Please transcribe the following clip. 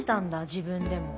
自分でも。